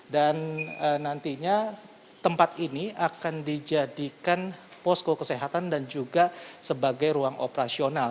dan nantinya tempat ini akan dijadikan pos kesehatan dan juga sebagai ruang operasional